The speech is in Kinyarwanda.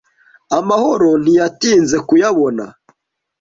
Amahoro ntiyatinze kuyabona.